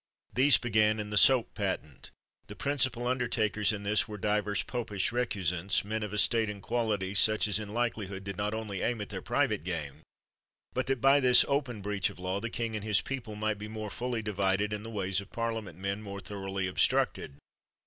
These began in the soap patent. The principal undertakers in this were divers popish recusants, men of estate 58 PYM and quality, such as in likelihood did not only aim at their private gain, but that by this open breach of law, the king and his people might be more fully divided, and the ways of Parlia ment men more thoroughly obstructed.